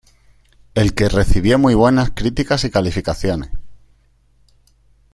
El que recibió muy buenas críticas y calificaciones.